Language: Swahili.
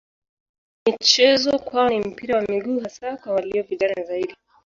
Michezo kwao ni mpira wa miguu hasa kwa walio vijana zaidi.